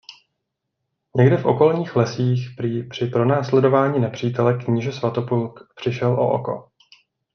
Někde v okolních lesích prý při pronásledování nepřítele kníže Svatopluk přišel o oko.